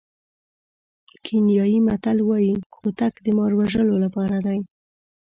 کینیايي متل وایي کوتک د مار وژلو لپاره دی.